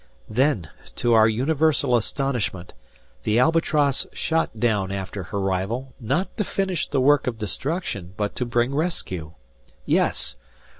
Then to our universal astonishment, the "Albatross" shot down after her rival, not to finish the work of destruction but to bring rescue. Yes!